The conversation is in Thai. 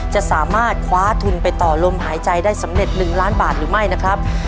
จะสามารถคว้าทุนไปต่อลมหายใจได้สำเร็จ๑ล้านบาทหรือไม่นะครับ